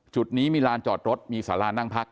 จุดนี้มีลานจอดรถมีสารานั่งพัก